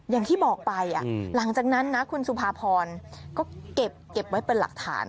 อย่างที่บอกไปหลังจากนั้นนะคุณสุภาพรก็เก็บไว้เป็นหลักฐาน